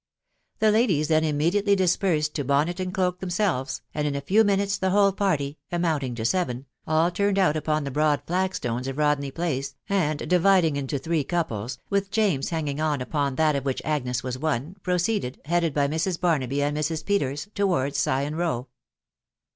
The ladies then immediately dispersed to bonnet and cloak themselves, and m a few noinntes the whole party, amounting to seven, all turned mit upon the bread 'flagstones of Rodney Place, and dividing into three couples, with James hanging on upon that of which Agnes was one, proceeded, headed by Mrs. Barwaby and Mrs* Peters, towards &on Row.